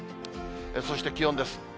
そして気温です。